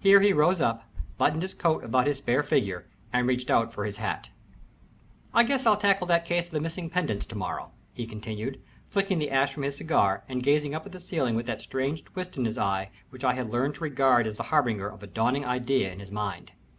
Here he rose up, buttoned his coat about his spare figure, and reached out for his hat. "I guess I'll tackle that case of the missing pendants to morrow," he continued, flicking the ash from his cigar and gazing up at the ceiling with that strange twist in his eye which I had learned to regard as the harbinger of a dawning idea in his mind.